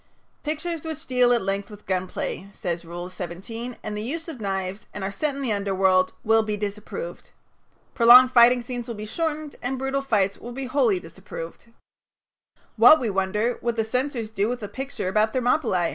"Pictures which deal at length with gun play," says Rule 17, "and the use of knives, and are set in the underworld, will be disapproved. Prolonged fighting scenes will be shortened and brutal fights will be wholly disapproved." What, we wonder, would the censors do with a picture about Thermopylæ?